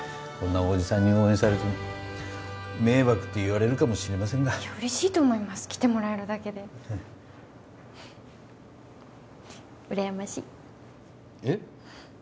こんなおじさんに応援されても迷惑って言われるかもしれませんがいや嬉しいと思います来てもらえるだけでうらやましいえっ？